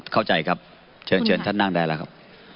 เข้าใจครับเชิญเชิญท่านนั่งได้แล้วครับ